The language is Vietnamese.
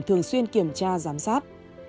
thường xuyên kiểm tra giám sát